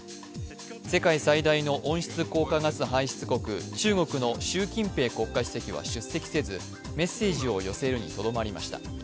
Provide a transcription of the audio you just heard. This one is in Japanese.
世界最大の温室効果ガス排出国、中国の習近平国家主席は出席せず、メッセージを寄せるにとどまりました。